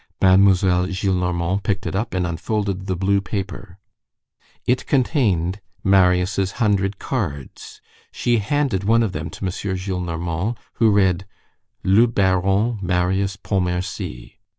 Mademoiselle Gillenormand picked it up and unfolded the blue paper. It contained Marius' hundred cards. She handed one of them to M. Gillenormand, who read: Le Baron Marius Pontmercy.